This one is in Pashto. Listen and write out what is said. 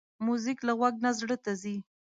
موزیک له غوږ نه زړه ته ځي.